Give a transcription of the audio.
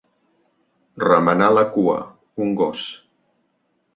Remenar la cua, un gos.